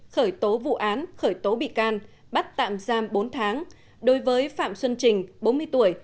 khởi tố vụ án khởi tố bị can bắt tạm giam bốn tháng đối với phạm xuân trình bốn mươi tuổi